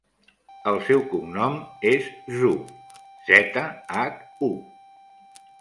El seu cognom és Zhu: zeta, hac, u.